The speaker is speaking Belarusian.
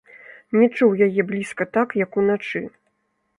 Не чуў яе блізка так, як уначы.